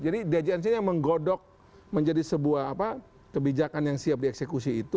jadi dgsn ini yang menggodok menjadi sebuah kebijakan yang siap dieksekusi itu